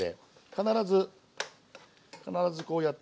必ず必ずこうやって。